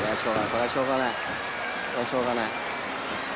これはしょうがない。